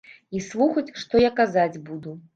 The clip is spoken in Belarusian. І слухаць, што я казаць буду.